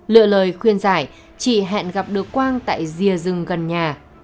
lựa lời khuyên giải chị hẹn gặp được quang tại rìa rừng gần nhà